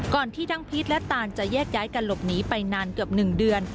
ที่ทั้งพีชและตานจะแยกย้ายกันหลบหนีไปนานเกือบ๑เดือน